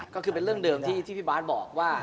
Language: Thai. ก็คือเป็นเรื่องเดิมที่พี่บาทบอกว่า